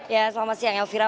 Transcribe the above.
ya selamat siang elvira